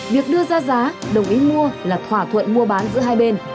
việc đưa ra giá đồng ý mua là thỏa thuận mua bán giữa hai bên